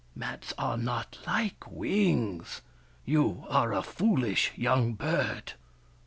Mats are not like wings. You are a foolish young bird."